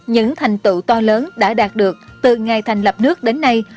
những thành tựu to lớn đã đạt được từ ngày thành lập nước đến nay